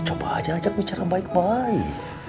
apa aja ajak bicara baik baik